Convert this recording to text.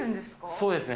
そうですね。